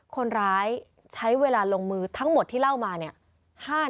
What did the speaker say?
คนร้ายใช้เวลาลงมือทั้งหมดที่เล่ามาเนี่ย